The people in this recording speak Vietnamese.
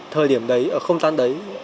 thời điểm đấy ở không gian đấy